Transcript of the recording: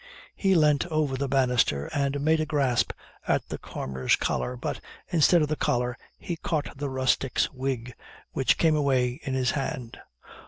He leant over the bannister, and made a grasp at the farmer's collar, but, instead of the collar, he caught the rustic's wig, which came away in his hand.